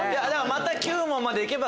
また９問までいけば。